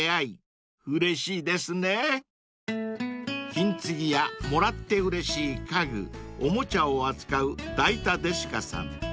［金継ぎやもらってうれしい家具おもちゃを扱うダイタデシカ、さん］